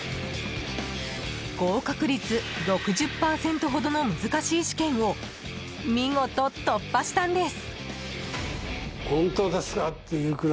合格率６０％ほどの難しい試験を見事、突破したんです。